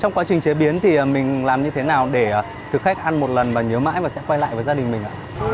trong quá trình chế biến thì mình làm như thế nào để thực khách ăn một lần và nhớ mãi và sẽ quay lại với gia đình mình ạ